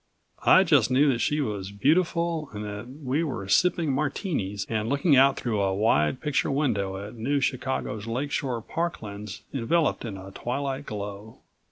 I just knew that she was beautiful and that we were sipping Martinis and looking out through a wide picture window at New Chicago's lakeshore parklands enveloped in a twilight glow.